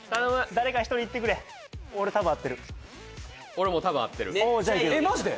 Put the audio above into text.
誰か１人いってくれ俺多分合ってる俺も多分合ってるえっマジで？